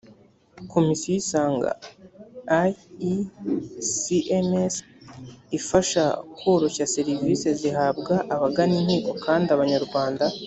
komisiyo isanga iecms ifasha koroshya serivisi zihabwa abagana inkiko kandi abanyarwanda